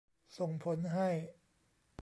ส่งผลให้